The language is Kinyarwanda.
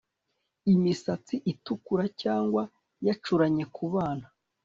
imisatsi itukura cyangwa yacuranye ku bana